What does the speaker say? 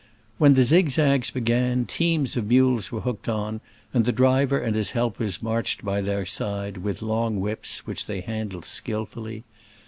When the zigzags began teams of mules were hooked on, and the driver and his help ers marched by their side with long whips, which they handled skillfully.